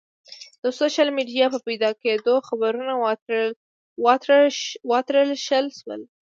د سوشل میډیا په پیدا کېدو خبرونه وتراشل شول.